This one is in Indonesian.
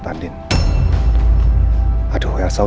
terima kasih pak